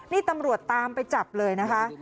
นี่ตำรวจตามไปจับเลยนะคะ